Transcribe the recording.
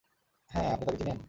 হ্যাঁ, আপনি তাকে চিনেন?